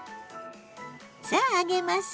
さあ揚げます。